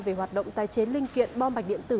về hoạt động tài chế linh kiện bom bạch điện tử